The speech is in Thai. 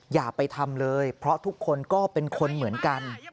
อย่าไปทำเลยเพราะทุกคนก็เป็นคนเหมือนกัน